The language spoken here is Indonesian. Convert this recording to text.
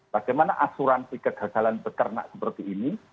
bagaimana asuransi kegagalan peternak seperti ini